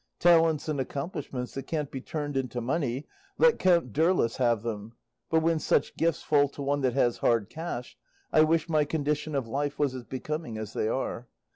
Talents and accomplishments that can't be turned into money, let Count Dirlos have them; but when such gifts fall to one that has hard cash, I wish my condition of life was as becoming as they are.